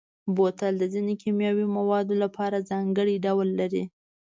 بوتل د ځینو کیمیاوي موادو لپاره ځانګړی ډول لري.